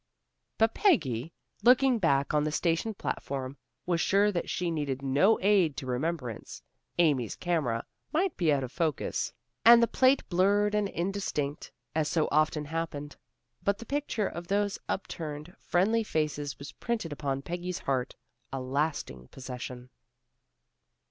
But Peggy, looking back on the station platform, was sure that she needed no aid to remembrance, Amy's camera might be out of focus, and the plate blurred and indistinct, as so often happened, but the picture of those upturned, friendly faces was printed upon Peggy's heart, a lasting possession.